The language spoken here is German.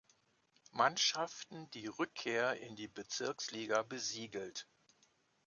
Mannschaften die Rückkehr in die Bezirksliga besiegelt.